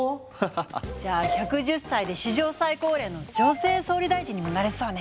じゃあ１１０歳で史上最高齢の女性総理大臣にもなれそうね！